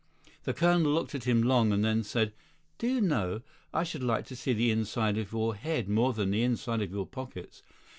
The colonel looked at him long, and then said, "Do you know, I should like to see the inside of your head more than the inside of your pockets.